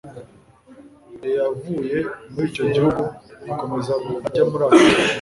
eyavuye muri icyo gihugu akomeza ajya muri ashuri